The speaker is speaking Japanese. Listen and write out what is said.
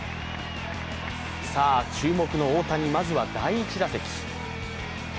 さあ、注目の大谷まずは第１打席。